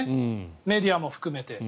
メディアも含めて。